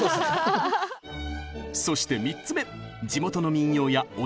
そして３つ目！